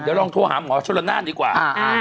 เดี๋ยวลองโทรหาหมอชนละนานดีกว่า